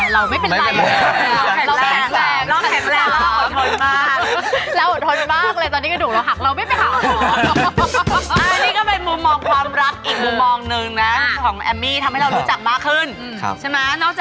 เราไม่เป็นไรเราแขนแรง